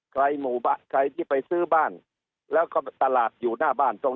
หมู่บ้านใครที่ไปซื้อบ้านแล้วก็ตลาดอยู่หน้าบ้านตรง